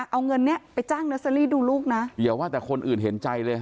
เอาเงินเนี้ยไปจ้างเนอร์เซอรี่ดูลูกนะอย่าว่าแต่คนอื่นเห็นใจเลย